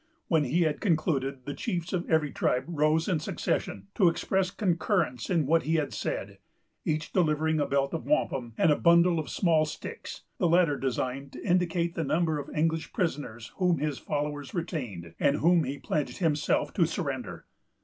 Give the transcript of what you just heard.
When he had concluded, the chiefs of every tribe rose in succession, to express concurrence in what he had said, each delivering a belt of wampum and a bundle of small sticks; the latter designed to indicate the number of English prisoners whom his followers retained, and whom he pledged himself to surrender.